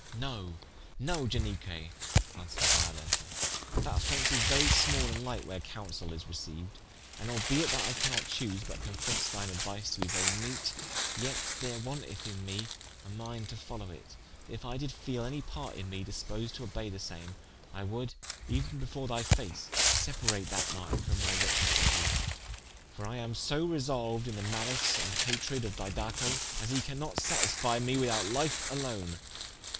"No, no Ianique" answered Violenta, "that offence is very small and lighte, where counsaile is receiued: and albeit that I cannot chose, but confesse thine aduise to be very meete, yet there wanteth in me a minde to followe it: that if I did feele any part in me disposed to obeye the same, I would euen before thy face, separate that minde from my wretched bodie: for I am so resolued in the mallice and hatred of Didaco, as he cannot satisfie me without life alone.